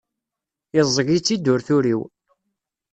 Iẓẓeg-itt-id ur turiw.